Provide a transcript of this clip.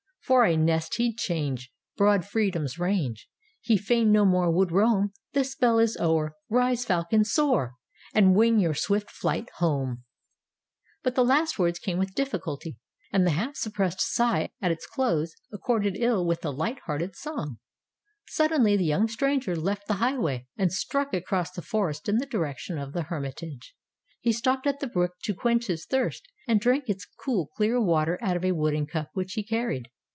For a nest, he'd change Broad Freedom's range, He fain no more would roam. The spell is o'er. Rise, falcon, soar! And wing your swift flight home." Tales of Modern Germany 121 But the last words came with difficulty, and the half suppressed sigh at its close accorded ill with the light hearted song. Suddenly the young stranger left the high way, and struck across the forest in the direction of the hermitage. He stopped at the brook to quench his thirst, and drank its cool clear water out of a wooden cup which he carried.